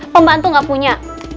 pembantu gak punya